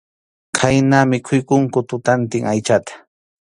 Khayna mikhuykunku tutantin aychata.